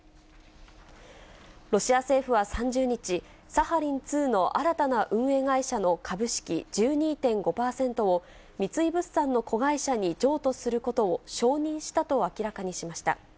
ロシア政府は３０日、サハリン２の新たな運営会社の株式１２．５％を、三井物産の子会社に譲渡することを承認したと明らかにしました。